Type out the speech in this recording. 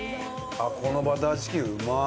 あっこのバターチキンうまっ。